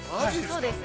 ◆そうです。